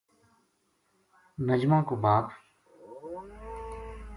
نجمہ کو باپ